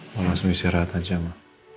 mau langsung istirahat aja mak